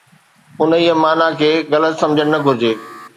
انهيءَ معنيٰ کي غلط سمجهڻ نه گهرجي.